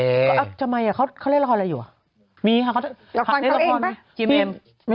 อ๊ะจำไมเขาเล่นละครอะไรอยู่